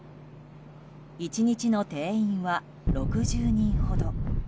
１日の定員は６０人ほど。